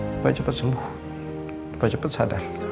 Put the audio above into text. papa cepet sembuh papa cepet sadar